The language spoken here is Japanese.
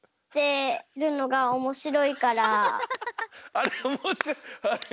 あれおもしろい。